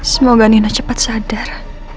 semoga nina cepat sadar